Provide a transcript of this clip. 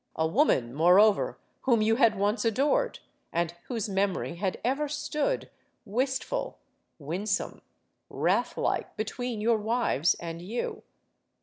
A woman, moreover, whom you had once adored, and whose memory had ever stood, wistful, winsome, wraithlike, between your wives and you.